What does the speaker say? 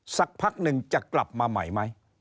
สักพักหนึ่งจะกลับมาใหม่ไหม